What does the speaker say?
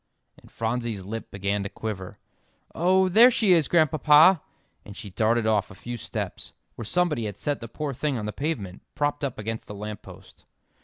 And Phronsie's lip began to quiver. "Oh, there she is, Grandpapa!" and she darted off a few steps, where somebody had set the poor thing on the pavement, propped up against a lamp post.